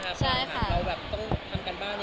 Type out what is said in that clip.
ใช่ค่ะจริงเราถ่ายช่วงมกราถึงมีนางนะ